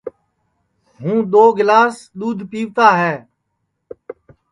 ہُوں دؔو گِلاس دؔودھ پِیوتا ہے